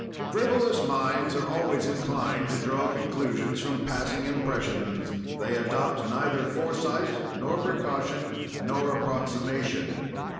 "Frivolous minds are always inclined to draw conclusions from passing impressions; they adopt neither foresight, nor precaution, nor approximation.